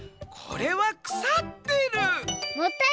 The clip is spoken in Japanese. これはくさってる」。